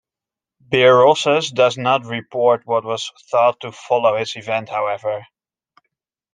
Berossus does not report what was thought to follow this event, however.